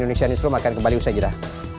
dan indonesia newsroom akan kembali usai jerah